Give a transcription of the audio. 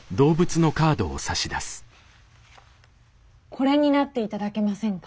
これになって頂けませんか？